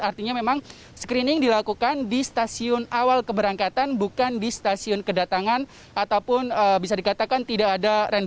artinya memang screening dilakukan di stasiun awal keberangkatan bukan di stasiun kedatangan ataupun bisa dikatakan tidak ada random check saat arus balik